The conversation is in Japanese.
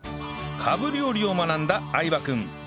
カブ料理を学んだ相葉君